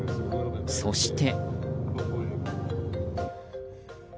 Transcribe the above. そして。